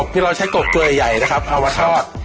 เดี๋ยวใช้กลบถือใหญ่นะครับเอามาทอด